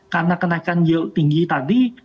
karena kenaikan yield tinggi tadi